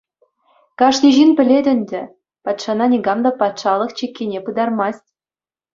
Кашни ҫын пӗлет ӗнтӗ, патшана никам та патшалӑх чиккине пытармасть.